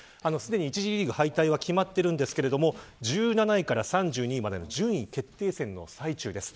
１次リーグ敗退は決まっていますが１７位から３２位までの順位決定戦の最中です。